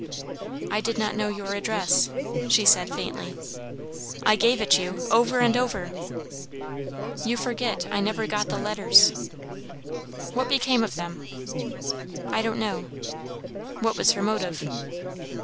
"I did not know your address," she said faintly. "I gave it you, over and over." "You forget, I never got the letters." "What became of them?" "I don't know." "What was her motive?"